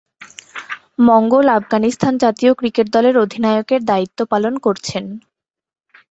মঙ্গল আফগানিস্তান জাতীয় ক্রিকেট দল এর অধিনায়কের দায়িত্ব পালন করছেন।